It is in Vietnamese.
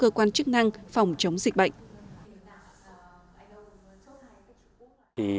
các cơ quan chức năng phòng chống dịch bệnh